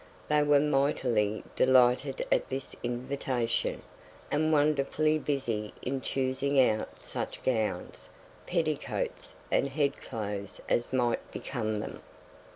They were mightily delighted at this invitation, and wonderfully busy in choosing out such gowns, petticoats, and head clothes as might become them.